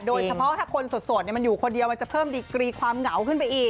โดยเฉพาะถ้าคนสดมันอยู่คนเดียวมันจะเพิ่มดีกรีความเหงาขึ้นไปอีก